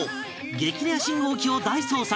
激レア信号機を大捜索！